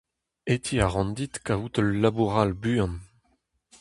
Hetiñ a ran dit kavout ul labour all buan.